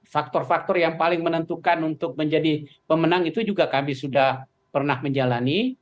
faktor faktor yang paling menentukan untuk menjadi pemenang itu juga kami sudah pernah menjalani